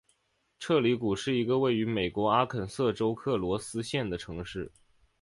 彻里谷是一个位于美国阿肯色州克罗斯县的城市。